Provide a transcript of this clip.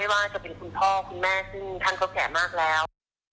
ว่าจะเป็นคุณพ่อคุณแม่ซึ่งท่านก็แก่มากแล้ว